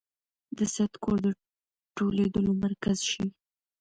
د سید کور د ټولېدلو مرکز شي.